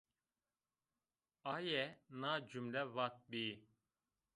Aye na cumle vatbî